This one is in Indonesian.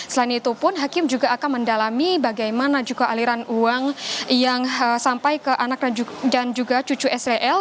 selain itu pun hakim juga akan mendalami bagaimana juga aliran uang yang sampai ke anak dan juga cucu sel